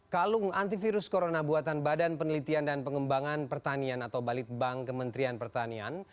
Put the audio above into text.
kalung antivirus corona buatan badan penelitian dan pengembangan pertanian atau balitbank kementerian pertanian